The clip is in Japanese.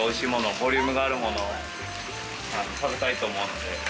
ボリュームのあるものを食べたいと思うんで。